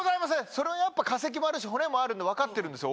それは化石もあるし骨もあるんで分かってるんですよ